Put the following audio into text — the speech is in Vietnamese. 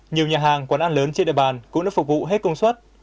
nhiều nhà hàng quán ăn lớn trên địa bàn cũng đã phục vụ hết công suất